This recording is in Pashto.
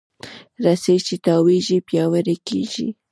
رسۍ چې تاوېږي، پیاوړې کېږي.